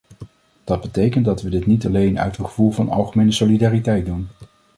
Dat betekent dat we dit niet alleen uit een gevoel van algemene solidariteit doen.